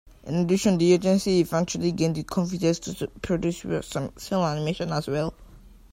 In addition, the agency eventually gained the confidence to produce cel animation as well.